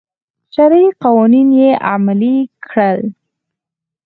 شرعي قوانین یې عملي کړل.